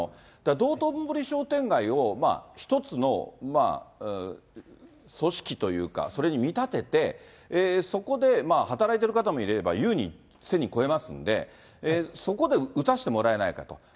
道頓堀商店街を１つの組織というか、それに見立てて、そこで働いている方もいえば優に１０００人超えますんで、そこで打たせてもらえないかと。